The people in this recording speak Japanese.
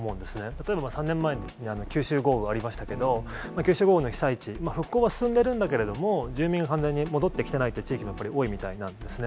例えば３年前に九州豪雨ありましたけど、九州豪雨の被災地、復興は進んでるんだけれども、住民が完全に戻ってきていないという地域もやっぱり多いみたいなんですね。